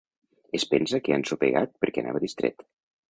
Es pensa que ha ensopegat perquè anava distret.